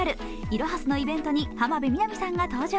いろはすのイベントに浜辺美波さんが登場。